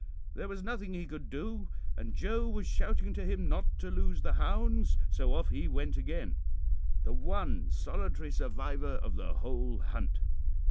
There was nothing he could do, and Joe was shouting to him not to lose the hounds, so off he went again, the one solitary survivor of the whole hunt.